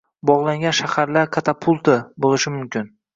“bogʻlangan shaharlar katapulti” boʻlishi mumkin.